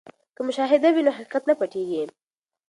که مشاهده وي نو حقیقت نه پټیږي.